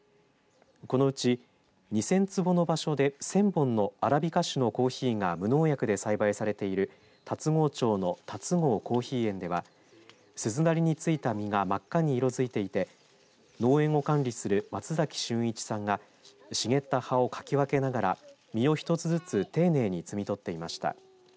このうち２０００坪の場所で１０００本のアラビカ種のコーヒーが無農薬で栽培されている龍郷町の龍郷コーヒー園では鈴なりについた実が真っ赤に色づいていて農園を管理する松崎俊一さんが茂った葉をかき分けながら実を１つずつ丁寧に摘み取っていました。